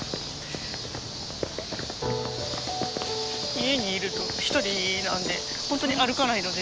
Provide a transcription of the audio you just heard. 家にいると一人なんでほんとに歩かないので。